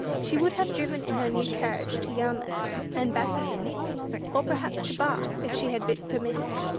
She would have driven in her new carriage to Yarmouth and back again, or perhaps to Bath, if she had been permitted.